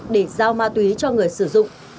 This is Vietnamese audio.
để giao ma túy cho người sử dụng